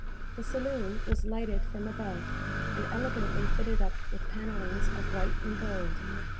The saloon was lighted from above, and elegantly fitted up with panellings of white and gold.